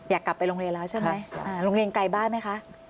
อยากกลับไปโรงเรียนแล้วใช่ไหมโรงเรียนไกลบ้านไหมคะ